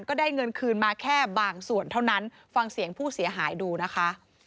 ก็ได้เงินคืนมาแค่บางส่วนเท่านั้นฟังเสียงผู้เสียหายดูนะคะ